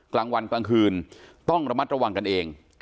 กลางวันกลางคืนต้องระมัดระวังกันเอง